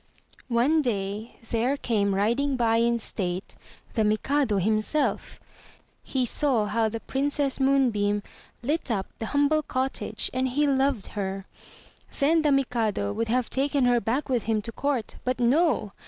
One day there came riding by in state the Mikado himself. i8o THROUGH FAIRY HALLS He saw how the Princess Moonbeam lit up the humble cottage, and he loved her. Then the Mikado would have taken her back with him to court, but no!